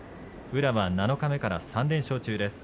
宇良は七日目から３連勝中です。